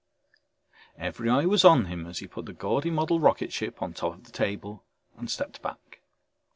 Every eye was on him as he put the gaudy model rocketship on top of the table and stepped back.